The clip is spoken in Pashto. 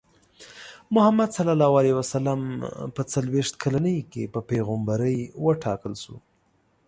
محمد ص په څلوېښت کلنۍ کې په پیغمبرۍ وټاکل شو.